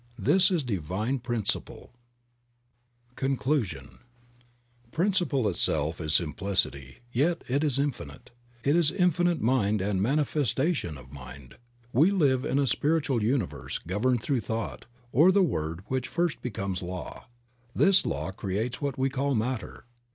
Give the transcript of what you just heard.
This is divine principle. Creative Mind. 67 CONCLUSION. PRINCIPLE itself is simplicity, yet it is infinite — it is Infinite Mind and manifestation of Mind. We live in a Spiritual universe governed through thought, or the word which first becomes law; this law creates what we call matter.